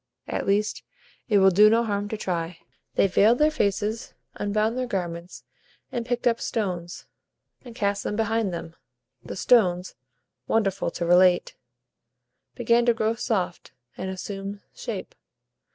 At least, it will do no harm to try." They veiled their faces, unbound their garments, and picked up stones, and cast them behind them. The stones (wonderful to relate) began to grow soft, and assume shape.